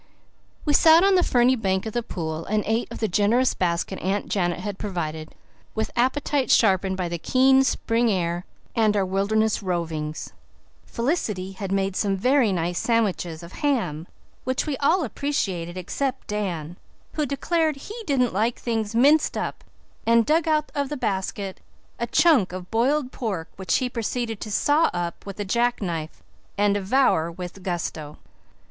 We sat on the ferny bank of the pool and ate of the generous basket Aunt Janet had provided, with appetites sharpened by the keen spring air and our wilderness rovings. Felicity had made some very nice sandwiches of ham which we all appreciated except Dan, who declared he didn't like things minced up and dug out of the basket a chunk of boiled pork which he proceeded to saw up with a jack knife and devour with gusto.